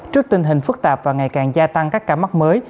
trước tình hình phức tạp và ngày càng gia tăng các ca mắc mới